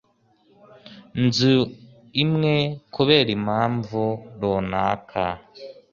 nzu imwe kubera impamvu runaka